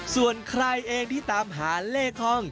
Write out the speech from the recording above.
ส่วนใครเองที่ตามหาเลขห้อง